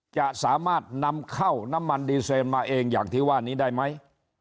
จะสามารถนำเข้าน้ำมันดีเซนมาเองอย่างที่ว่านี้ได้ไหม